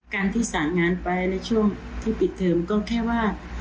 การที่สั่งงานไปในช่วงที่ปิดเทอมก็แค่ว่า